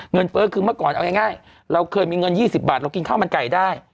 เฟ้อคือเมื่อก่อนเอาง่ายเราเคยมีเงิน๒๐บาทเรากินข้าวมันไก่ได้